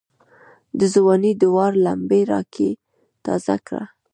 دځوانۍ داور لمبي را کې تازه کړه